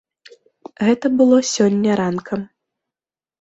Гэта было сёння ранкам.